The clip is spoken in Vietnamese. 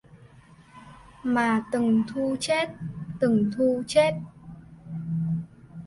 Mà từng thu chết, từng thu chết